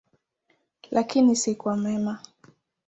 Lakini si kwa mema.